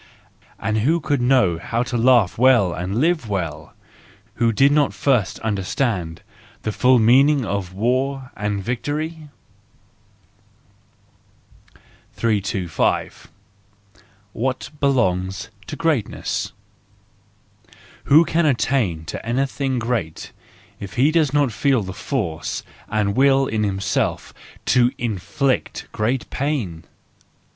And who could know how to laugh well and live well, who did not first understand the full meaning of war and victory ? 325 . What Belongs to Greatness .—Who can attain to anything great if he does not feel the force and will in himself to inflict great pain?